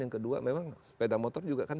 yang kedua memang sepeda motor juga kan